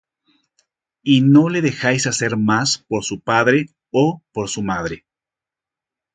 Y no le dejáis hacer más por su padre ó por su madre,